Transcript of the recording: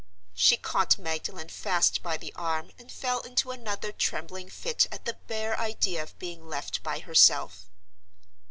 She caught Magdalen fast by the arm and fell into another trembling fit at the bare idea of being left by herself.